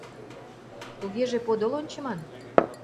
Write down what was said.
Тугеже подыл ончыман.